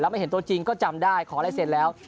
แล้วไม่เห็นตัวจริงก็จำได้ขอไล่เซนแล้ว